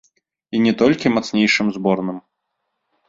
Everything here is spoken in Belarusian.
І не толькі мацнейшым зборным!